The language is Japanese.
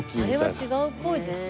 あれは違うっぽいですよ。